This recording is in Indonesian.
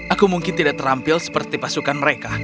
aku mungkin tidak terampil seperti pasukan mereka